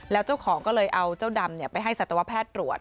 แล้วเจ้าของก็เลยเอาเจ้าดำไปให้สัตวแพทย์ตรวจ